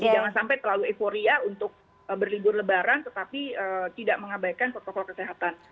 jadi jangan sampai terlalu euforia untuk berlibur lebaran tetapi tidak mengabaikan protokol kesehatan